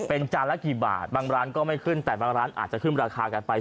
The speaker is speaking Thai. เป็นจานละกี่บาทบางร้านก็ไม่ขึ้นแต่บางร้านอาจจะขึ้นราคากันไป